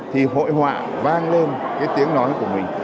thì hội họa vang lên cái tiếng nói của mình